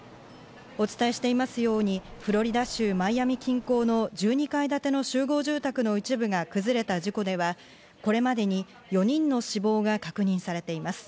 お伝えしていますように、フロリダ州マイアミ近郊の１２階建ての集合住宅の一部が崩れた事故では、これまでに４人の死亡が確認されています。